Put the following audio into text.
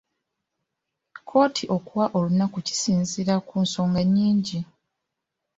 Kkooti okuwa olunaku kisinziira ku nsonga nnyingi.